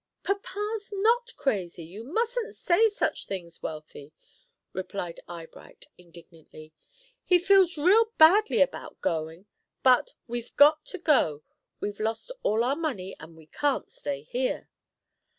"Papa's not crazy. You mustn't say such things, Wealthy," replied Eyebright, indignantly. "He feels real badly about going. But we've got to go. We've lost all our money, and we can't stay here."